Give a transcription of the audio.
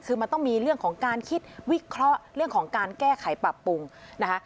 คือมันต้องมีเรื่องของการคิดวิเคราะห์เรื่องของการแก้ไขปรับปรุงนะคะ